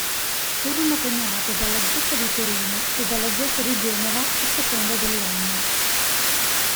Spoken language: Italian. Furono coniate dalla zecca di Torino e dalla zecca di Genova a seconda dell'anno.